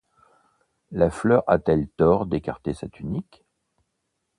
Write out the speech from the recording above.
La fleur a-t-elle tort d’écarter sa tunique?